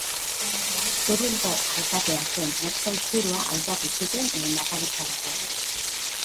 Usurbilgo alkatea zen Mertxe Aizpurua hautatu zuten lehendakaritzarako.